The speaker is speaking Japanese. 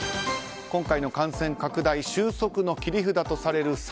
今回の感染拡大収束の切り札とされる